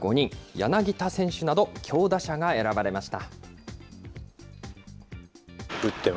柳田選手など、強打者が選ばれました。